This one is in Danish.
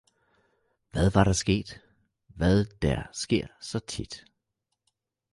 Hvad var der sket? Hvad der sker så tit.